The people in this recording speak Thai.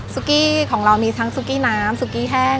กี้ของเรามีทั้งซุกี้น้ำซุกี้แห้ง